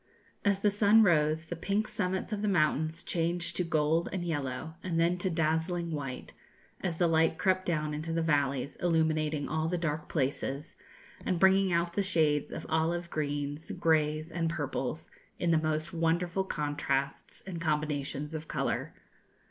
As the sun rose, the pink summits of the mountains changed to gold and yellow, and then to dazzling white, as the light crept down into the valleys, illuminating all the dark places, and bringing out the shades of olive greens, greys, and purples, in the most wonderful contrasts and combinations of colour.